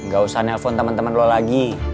gak usah nelpon temen temen lo lagi